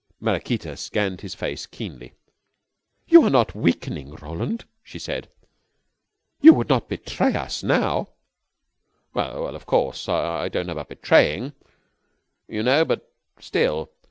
Maraquita scanned his face keenly. "You are not weakening, Roland?" she said. "You would not betray us now?" "Well, of course, I don't know about betraying, you know, but still